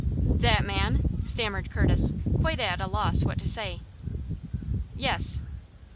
"That man?" stammered Curtis, quite at a loss what to say. "Yes."